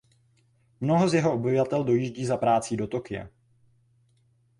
Mnoho z jeho obyvatel dojíždí za prací do Tokia.